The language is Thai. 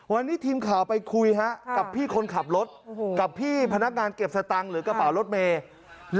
วันนี้ทีมข่าวไปคุยกับพี่คนขับรถกับพี่พนักงานเก็บสตังค์หรือกระเป๋ารถเมย์